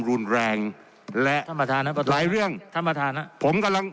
รุนแรงและท่านประธานครับหลายเรื่องท่านประธานฮะผมกำลัง